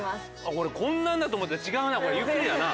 俺こんなんだと思ったら違うなこれゆっくりだな。